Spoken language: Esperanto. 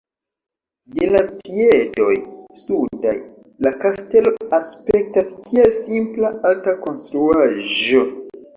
De la piedoj sudaj la kastelo aspektas kiel simpla alta konstruaĵo.